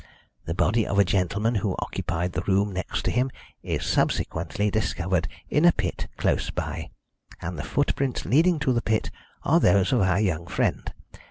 The body of a gentleman who occupied the room next to him is subsequently discovered in a pit close by, and the footprints leading to the pit are those of our young friend.